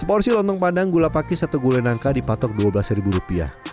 seporsi lontong padang gula pakis atau gulai nangka dipatok rp dua belas